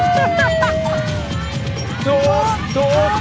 โชค